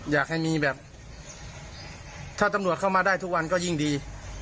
อยากให้มีแบบถ้าตำรวจเข้ามาได้ทุกวันก็ยิ่งดี